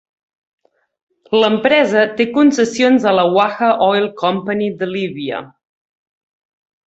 L'empresa té concessions a la Waha Oil Company de Líbia.